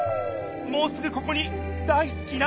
もうすぐここに大すきな